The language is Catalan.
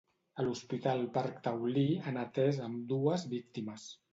A l'Hospital Parc Taulí han atès ambdues víctimes.